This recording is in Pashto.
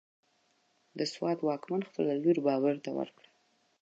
د سوات واکمن خپله لور بابر ته ورکړه،